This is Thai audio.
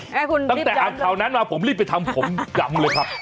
ใช่คุณตั้งแต่อ่านข่าวนั้นมาผมรีบไปทำผมยำเลยครับ